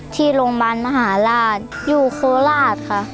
ที่โรงพยาบาลมหาราชอยู่โคราชค่ะ